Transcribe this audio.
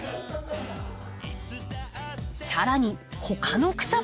さらにほかの草花も！